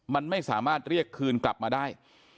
มันไม่สามารถเรียกคืนกลับมาได้